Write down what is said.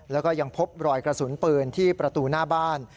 แล้วก็ยังพบรอยกระสุนปืนที่ประตูหน้าบ้าน